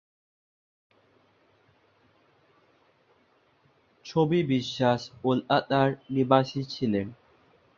ছবি বিশ্বাস কলকাতার নিবাসী ছিলেন।